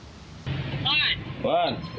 hai ini kempes saya mau berita